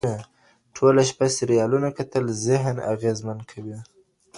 ټوله شپه سريالونه کتل ذهن اغېزمن کوي.